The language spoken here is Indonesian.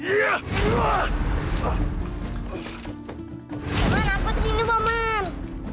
lihatlah apa yang ada di sini paman